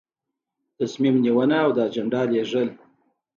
تصمیم نیونه او د اجنډا لیږل.